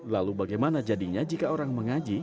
lalu bagaimana jadinya jika orang mengaji